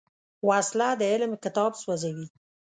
وسله د علم کتاب سوځوي